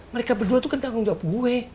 mereka berdua itu kan tanggung jawab gue